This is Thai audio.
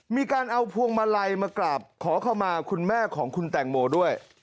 มีการเอาพวงมาลัยมากราบขอเข้ามาคุณแม่ของคุณแตงโมด้วย